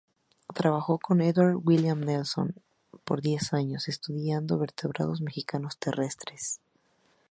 Trabajó con Edward William Nelson por diez años estudiando vertebrados mexicanos terrestres.